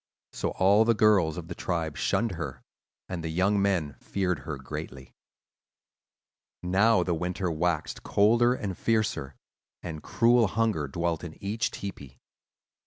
So all the girls of the tribe shunned her, and the young men feared her greatly. "Now the winter waxed colder and fiercer, and cruel hunger dwelt in each tepee.